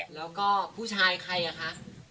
แล้วก็ผู้ชายใครอ่ะคะ